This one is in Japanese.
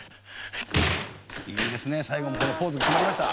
「いいですね最後のこのポーズ決まりました」